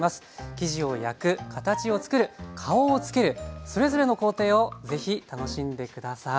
生地を焼く形をつくる顔をつけるそれぞれの工程を是非楽しんで下さい。